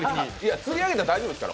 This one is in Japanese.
釣り上げたら大丈夫ですから。